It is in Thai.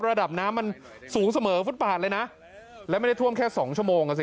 ระดับน้ำมันสูงเสมอฟุตปาดเลยนะแล้วไม่ได้ท่วมแค่สองชั่วโมงอ่ะสิ